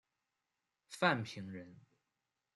范平人。